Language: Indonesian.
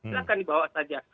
silahkan dibawa saja